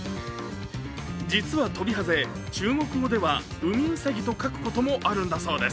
実はトビハゼ、中国語では海兎と書くこともあるんだそうです。